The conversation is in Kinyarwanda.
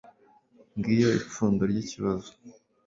Ngiyo ipfundo ry ikibazo.